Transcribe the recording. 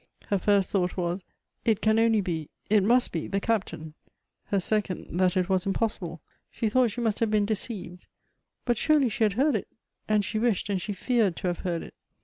Her first thought was — it can only be, it must be, the Cap tain ; her second, that it was impossible, She tliought she innst have been deceived. But surely she had lieard it ; and she wished, and she feared to have heard it.